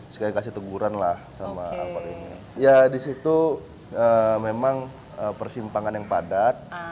sekalian kasih teguran lah sama angkot ini ya di situ memang persimpangan yang padat